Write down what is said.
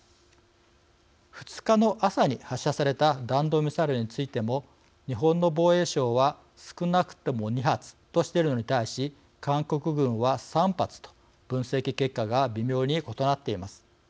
２日の朝に発射された弾道ミサイルについても日本の防衛省は少なくとも２発としているのに対し韓国軍は３発と分析結果が微妙に異なっています。